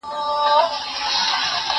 زه موبایل کارولی دی؟